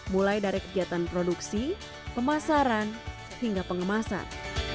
mulai dari kegiatan produksi pemasaran hingga pengemasan